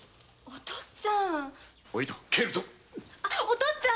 お父っつぁん！